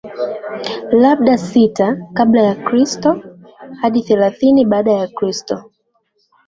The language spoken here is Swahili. labda sita kabla ya kristo hadi thelathini baada ya kristo